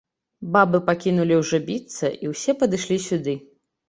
Бабы пакінулі ўжо біцца і ўсе падышлі сюды.